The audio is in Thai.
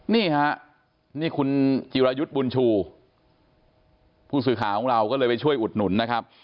นี่ฮะนี่คุณจิรายุทธ์บุญชูผู้สื่อข่าวของเราก็เลยไปช่วยอุดหนุนนะครับ